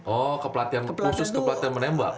oh kepelatihan khusus kepelatihan menembak